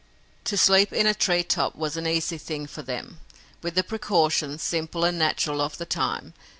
To sleep in a tree top was an easy thing for them, with the precautions, simple and natural, of the time.